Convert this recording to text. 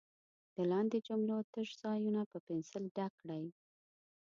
د لاندې جملو تش ځایونه په پنسل ډک کړئ.